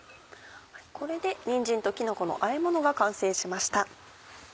これでにんじんときのこのあえものが完成しました。